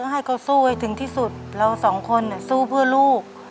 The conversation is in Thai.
ให้เขาสู้ให้ถึงที่สุดเราสองคนสู้เพื่อลูก